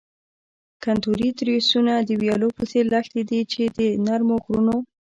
کنتوري تریسونه د ویالو په څیر لښتې دي چې د نرمو غرونو.